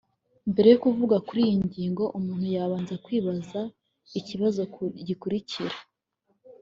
Mbere yo kuvuga kuri iyi ngingo umuntu yabanza kwibaza ikibazo gikurikira